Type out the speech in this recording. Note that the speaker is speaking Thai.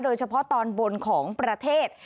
โดยเฉพาะตอนบนของประเทศ